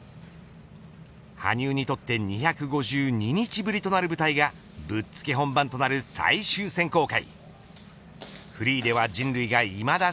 羽生にとって２５２日ぶりとなる舞台がぶっつけ本番となる最終選考会。